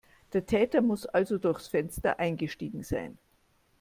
Der Täter muss also durchs Fenster eingestiegen sein.